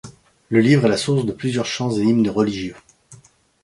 Le livre est la source de plusieurs chants et hymnes religieux.